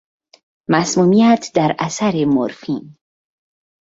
مسمومیت در اثر مرفین